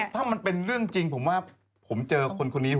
ถ้าจะมีเรื่องจริงผมเจอคนคนนี้